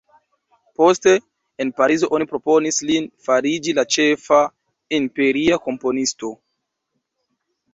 Poste, en Parizo oni proponis lin fariĝi la ĉefa imperia komponisto.